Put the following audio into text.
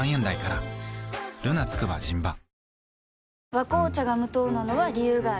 「和紅茶」が無糖なのは、理由があるんよ。